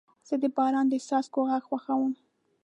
زه د باران د څاڅکو غږ خوښوم.